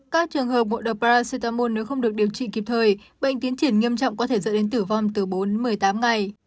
các trường hợp ngộ độc brazitamol nếu không được điều trị kịp thời bệnh tiến triển nghiêm trọng có thể dẫn đến tử vong từ bốn đến một mươi tám ngày